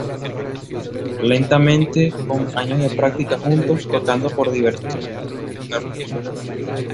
Lentamente, con años de práctica juntos, tocando por diversión, lograron tocar profesionalmente.